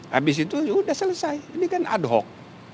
habis itu sudah selesai ini kan adhok